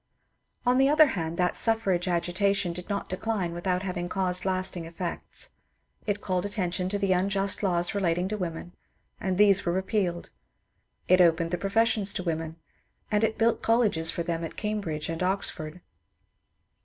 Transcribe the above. On the other hand, that suffrage agitation did not decline without having caused lasting effects. It called attention to the unjust laws relating to women, and these were repealed ; it opened the professions to women, and it built colleges for them at Cambridge and Oxford.